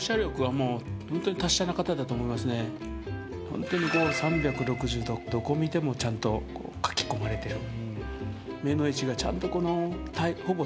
ほんとに３６０度どこ見てもちゃんと描き込まれてる。